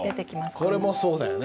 これもそうだよね。